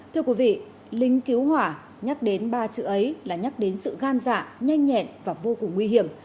thưa quý vị lính cứu hỏa nhắc đến ba chữ ấy là nhắc đến sự gan dạ nhanh nhẹn và vô cùng nguy hiểm